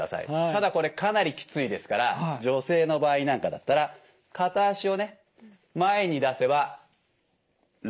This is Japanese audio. ただこれかなりきついですから女性の場合なんかだったら片足をね前に出せば楽になります。